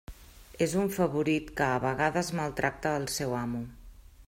És un favorit que a vegades maltracta el seu amo.